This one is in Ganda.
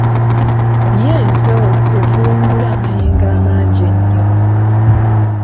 Ye mpewo evulungula amayengo amangi ennyo.